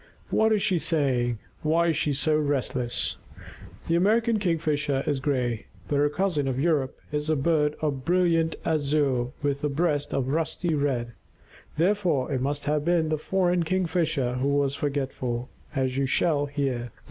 What is she saying, and why is she so restless? The American Kingfisher is gray, but her cousin of Europe is a bird of brilliant azure with a breast of rusty red. Therefore it must have been the foreign Kingfisher who was forgetful, as you shall hear.